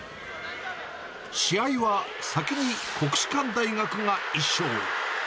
試合は先に国士舘大学が１勝。